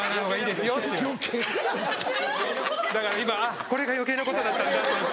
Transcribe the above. だから今あっこれが余計なことだったんだって。